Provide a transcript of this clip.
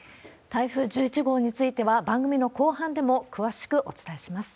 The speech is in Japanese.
台風１１号については、番組の後半でも詳しくお伝えします。